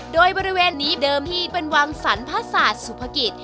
โดยบริเวณนี้เดิมที่เป็นวังสรรพศาสตร์สุภกิจ